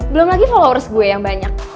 belum lagi followers gue yang banyak